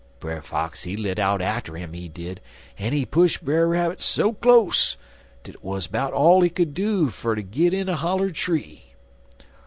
Brer Fox he lit out atter 'im, he did, en he push Brer Rabbit so close dat it wuz 'bout all he could do fer ter git in a holler tree.